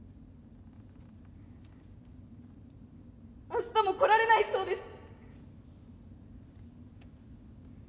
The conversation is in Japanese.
明日も来られないそうです。